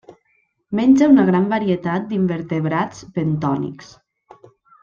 Menja una gran varietat d'invertebrats bentònics.